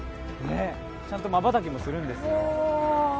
ちゃんと瞬きもするんですよ。